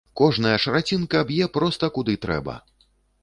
Кожная шрацінка б'е проста куды трэба.